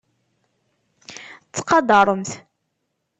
Ttqadaṛemt.